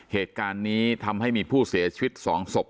เหตุการณ์นี้ทำให้มีผู้เสียชีวิต๒ศพ